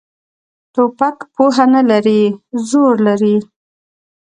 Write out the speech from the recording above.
توپک پوهه نه لري، زور لري.